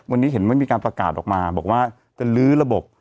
วันนี้เห็นว่ามีการประกาศออกมาบอกว่าจะลื้อระบบ